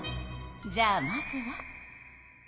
じゃあまずは。